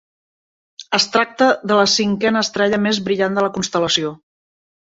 Es tracta de la cinquena estrella més brillant de la constel·lació.